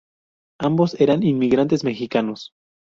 Ambos eran inmigrantes mexicanos.